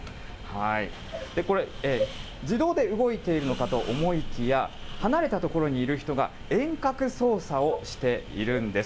これ、自動で動いているのかと思いきや、離れた所にいる人が、遠隔操作をしているんです。